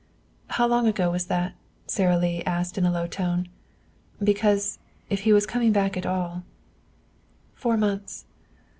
"How long ago was that?" Sara Lee asked in a low tone. "Because, if he was coming back at all " "Four months."